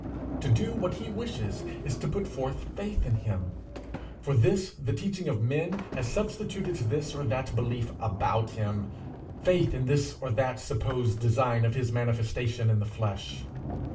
To do what he wishes is to put forth faith in him. For this the teaching of men has substituted this or that belief about him, faith in this or that supposed design of his manifestation in the flesh.